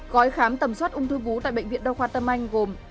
gói khám tầm soát ung thư vú tại bệnh viện đa khoa tâm anh gồm